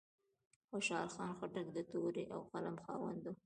خوشحال خان خټک د تورې او قلم خاوند و.